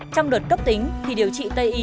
trong đợt cấp tính thì điều trị tây y